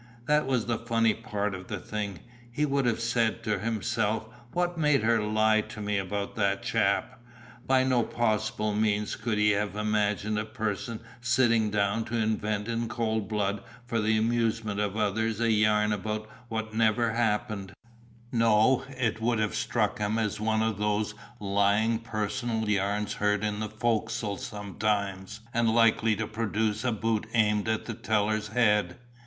That was the funny part of the thing. He would have said to himself "what made her lie to me about that chap?" By no possible means could he have imagined a person sitting down to invent in cold blood for the amusement of others a yarn about what never happened; no, it would have struck him as one of those lying personal yarns heard in the fo'c'sle sometimes and likely to produce a boot aimed at the teller's head.